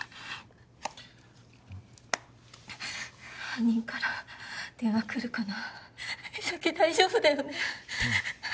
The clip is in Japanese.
犯人から電話来るかな実咲大丈夫だよね？